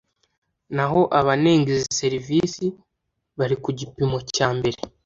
naho abanenga izi serivisi bari ku gipimo cyambere